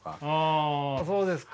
あそうですか。